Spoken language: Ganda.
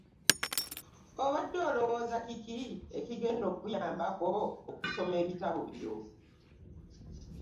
Obadde olowooza kiki ekigenda okukuyambako okusoma ebitabo byo.